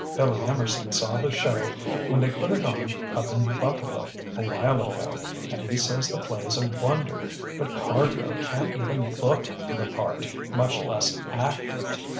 Billy Emerson saw the show when they put it on up in Buffalo, a while ago, and he says the play's a wonder but Cardrow can't even look the part, much less act it.